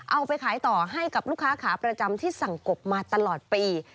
เอาไปขายต่อให้กับลูกค้าขาประจำที่สั่งกบมาตลอดปี